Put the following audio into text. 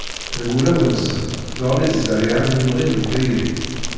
Deg wulawen-nsen teɣli zzerriɛa n yimɣi n tayri.